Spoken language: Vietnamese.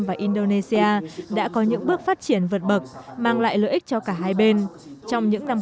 và indonesia đã có những bước phát triển vượt bậc mang lại lợi ích cho cả hai bên trong những năm